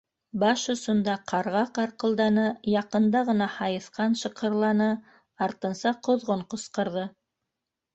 Баш осонда ҡарға ҡарҡылданы, яҡында ғына һайыҫҡан шыҡырланы, артынса ҡоҙғон ҡысҡырҙы.